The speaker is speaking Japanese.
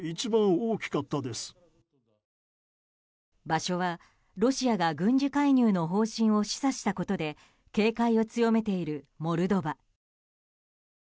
場所はロシアが軍事介入の方針を示唆したことで警戒を強めているモルドバ。